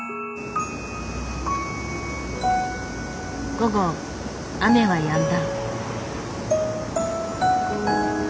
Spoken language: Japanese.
午後雨はやんだ。